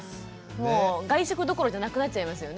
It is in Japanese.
もう外食どころじゃなくなっちゃいますよね。